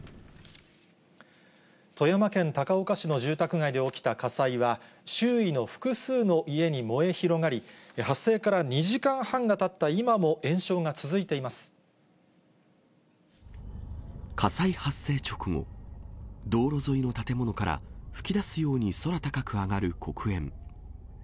富山県高岡市の住宅街で起きた火災は、周囲の複数の家に燃え広がり、発生から２時間半がたっ火災発生直後、道路沿いの建物から、噴き出すように空高く上がる黒煙。